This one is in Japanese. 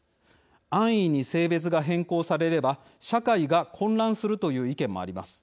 安易に性別が変更されれば社会が混乱するという意見もあります。